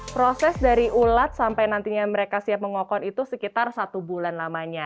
proses dari ulat sampai nantinya mereka siap mengokon itu sekitar satu bulan lamanya